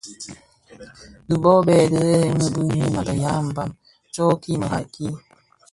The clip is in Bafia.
Dhi bo Bè dhemremi bi ňyinim a be ya mbam tsom ki merad ki.